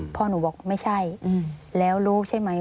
พ่อหนูบอกไม่ใช่